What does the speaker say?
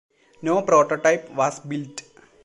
No prototype was built.